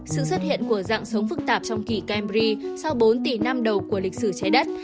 sự xuất hiện của dạng sống phức tạp trong kỳ cambri sau bốn tỷ năm đầu của lịch sử trái đất